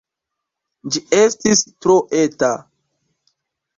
Ĝi estis tro eta.